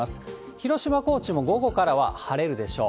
広島、高知も午後からは晴れるでしょう。